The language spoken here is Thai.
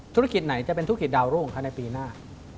ธุรกิจไหนจะเป็นธุรกิจดาวรุ่งของเขาในปีหน้า